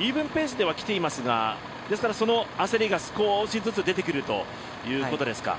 イーブンペースでは来ていますがその焦りが少しずつ出てくるということですか。